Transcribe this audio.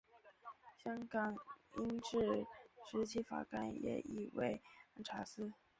香港英治时期法官也译为按察司。